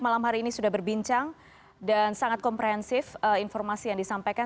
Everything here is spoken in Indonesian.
malam hari ini sudah berbincang dan sangat komprehensif informasi yang disampaikan